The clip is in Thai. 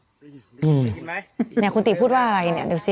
อื้อหือมาดูกินมั้ยเนี่ยคุณตีพูดว่าอะไรเนี่ยดูสิ